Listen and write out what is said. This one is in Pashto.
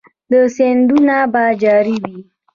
سیندونه به جاری وي؟